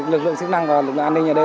lực lượng sức năng an ninh ở đây